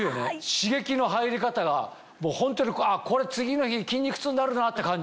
刺激の入り方がもうホントにこれ次の日筋肉痛になるなって感じ。